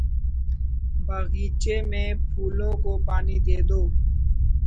باغیچے میں پھولوں کو پانی دے دو